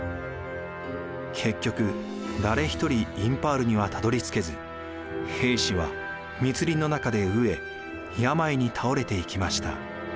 結局誰一人インパールにはたどりつけず兵士は密林の中で飢え病に倒れていきました。